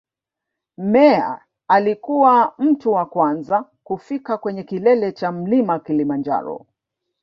Meyer alikuwa mtu wa kwanza kufika kwenye kilele cha mlima kilimanjaro